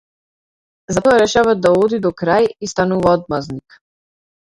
Затоа, решава да оди до крај и станува одмаздник.